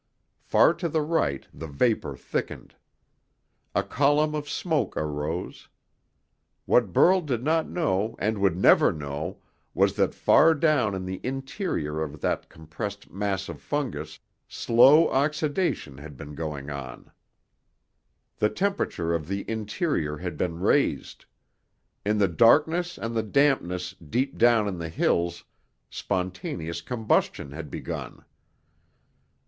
Far to the right the vapor thickened. A column of smoke arose. What Burl did not know and would never know was that far down in the interior of that compressed mass of fungus, slow oxidization had been going on. The temperature of the interior had been raised. In the darkness and the dampness deep down in the hills, spontaneous combustion had begun.